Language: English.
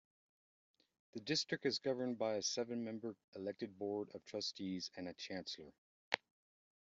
The District is governed by a seven-member elected Board of Trustees and a Chancellor.